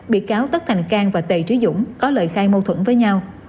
bị cáo tất thành cang và tề trí dũng có lời khai mâu thuẫn với nhau